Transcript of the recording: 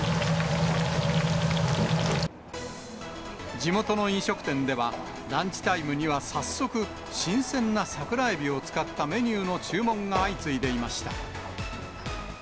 地元の飲食店では、ランチタイムには早速、新鮮なサクラエビを使ったメニューの注文が相次いでいました。